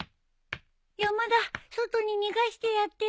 山田外に逃がしてやってよ。